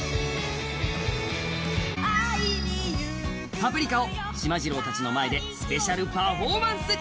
「パプリカ」をしまじろうたちの前でスペシャルパフォーマンス。